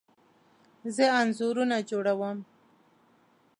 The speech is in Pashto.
زه انځورونه جوړه وم